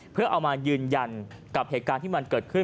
เพื่อเอามายืนยันกับเหตุการณ์ที่มันเกิดขึ้น